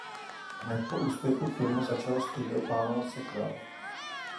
Hned po úspěchu filmu začalo studio plánovat sequel.